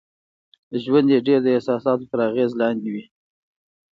ژوند يې ډېر د احساساتو تر اغېز لاندې وي.